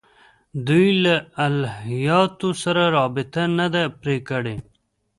دوی له الهیاتو سره رابطه نه ده پرې کړې.